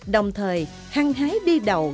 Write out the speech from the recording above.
đồng thời hăng hái đi đầu